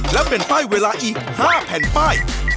และเป็นป้ายเวลาอีก๕แผ่นป้าย